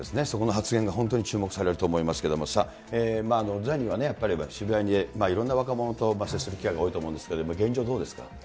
そこの発言が本当に注目されると思いますけれども、さあ、ザニーは、渋谷でいろんな若者と接する機会が多いと思うんですけれども、現状どうですか。